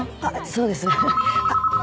そうです。